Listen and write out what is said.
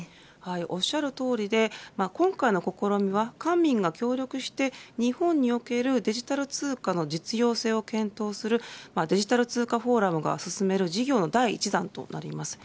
おっしゃるとおりで今回の試みは官民が協力して、日本におけるデジタル通貨の実用性を検討するデジタル通貨フォーラムが進める事業の第１弾となります。